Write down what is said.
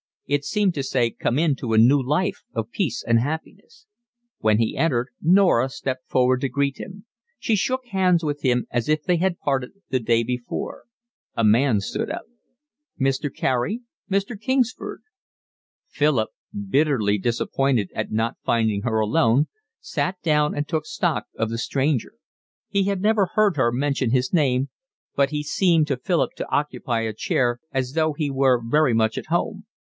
It seemed to say come in to a new life of peace and happiness. When he entered Norah stepped forward to greet him. She shook hands with him as if they had parted the day before. A man stood up. "Mr. Carey—Mr. Kingsford." Philip, bitterly disappointed at not finding her alone, sat down and took stock of the stranger. He had never heard her mention his name, but he seemed to Philip to occupy his chair as though he were very much at home.